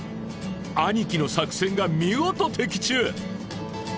兄貴の作戦が見事的中！